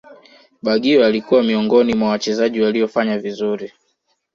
baggio alikuwa miongoni mwa Wachezaji waliofanya vizuri